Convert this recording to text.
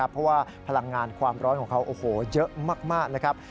เพราะว่าพลังงานความร้อนของเขาโอ้โหเยอะมากนะครับ